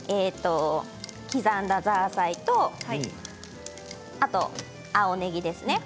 刻んだザーサイと青ねぎですね。